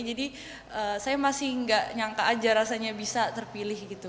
jadi saya masih gak nyangka aja rasanya bisa terpilih gitu